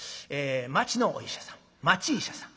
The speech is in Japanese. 町のお医者さん町医者さん。